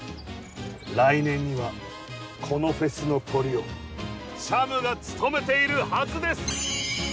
来年にはこのフェスのトリをちゃむが務めているはずです！